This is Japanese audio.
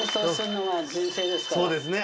そうですね。